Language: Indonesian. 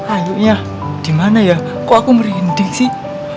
ayunya dimana ya kok aku merinding sih